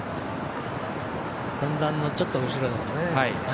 先団のちょっと後ろですね。